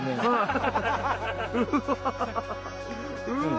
うわ！